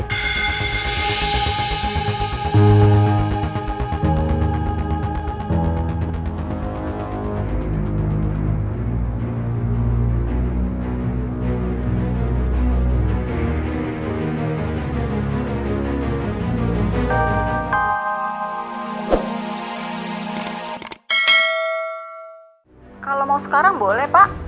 kalo mau sekarang boleh pak